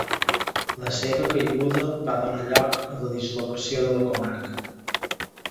La seva caiguda va donar lloc a la dislocació de la comarca.